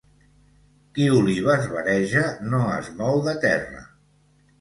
Qui olives vareja no es mou de terra.